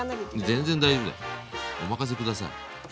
全然大丈夫だよお任せ下さい。